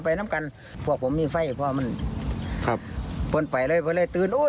ไปน้ำกันะครับผมมีไฟครับผมแม่ครับวันไปเลยพอเลยตื่นโอ้ย